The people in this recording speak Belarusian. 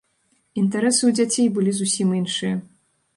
Інтарэсы ў дзяцей былі зусім іншыя.